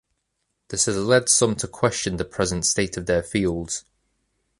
This has led some to question the present state of their fields.